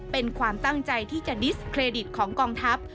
เป็นความตั้งใจที่จะดิสเครดิตของกองทัพ